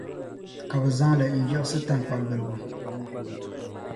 Ka bɛ zaŋ li n-yiɣisi taŋkpagbiligu.